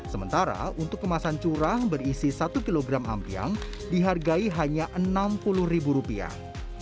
sementara untuk kemasan curang berisi satu kg ampiang dihargai hanya enam puluh ribu rupiah